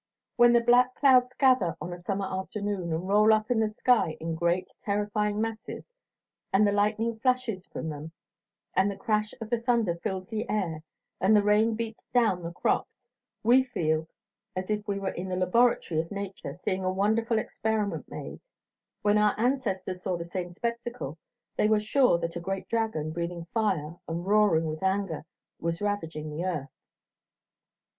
When the black clouds gather on a summer afternoon and roll up the sky in great, terrifying masses, and the lightning flashes from them and the crash of the thunder fills the air and the rain beats down the crops, we feel as if we were in the laboratory of nature seeing a wonderful experiment made; when our ancestors saw the same spectacle they were sure that a great dragon, breathing fire and roaring with anger, was ravaging the earth.